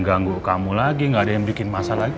ganggu kamu lagi gak ada yang bikin masalah lagi